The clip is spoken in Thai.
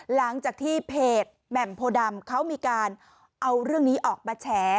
หลังจากที่เพจแหม่มโพดำเขามีการเอาเรื่องนี้ออกมาแฉ